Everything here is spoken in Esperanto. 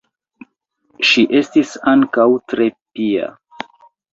Ŝi estis ankaŭ tre pia.